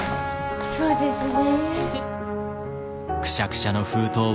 そうですね。